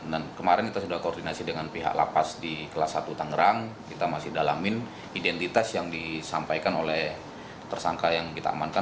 dan kemarin kita sudah koordinasi dengan pihak lapas di kelas satu tangerang kita masih dalamin identitas yang disampaikan oleh tersangka yang kita amankan